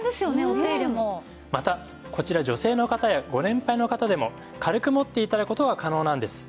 またこちら女性の方やご年配の方でも軽く持って頂く事が可能なんです。